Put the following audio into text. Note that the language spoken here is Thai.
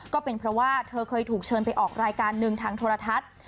ก็เป็นเพราะว่าเธอเคยถูกเชิญไปออกรายการหนึ่งทางโทรทัศน์